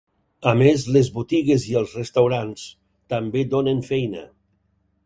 A més, les botigues i els restaurants també donen feina.